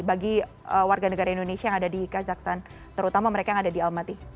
bagi warga negara indonesia yang ada di kazakhstan terutama mereka yang ada di almaty